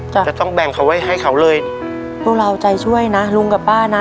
จะต้องแบ่งเขาไว้ให้เขาเลยพวกเราใจช่วยนะลุงกับป้านะ